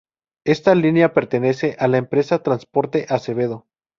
Esta línea pertenece a la empresa Transporte Acevedo.